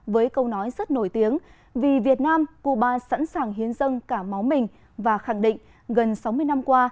với câu nói rất nổi tiếng vì việt nam cuba sẵn sàng hiến dân cả máu mình và khẳng định gần sáu mươi năm qua